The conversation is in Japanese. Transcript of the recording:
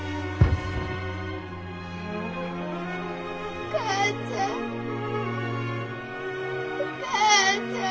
お母ちゃんお母ちゃん。